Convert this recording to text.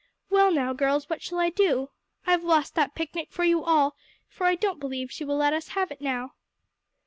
Well, now, girls, what shall I do? I've lost that picnic for you all, for I don't believe she will let us have it now."